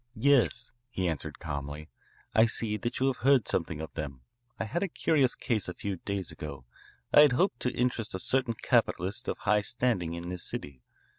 "Yes," he answered calmly. "I see that you have heard something of them. I had a curious case a few days ago. I had hoped to interest a certain capitalist of high standing in this city.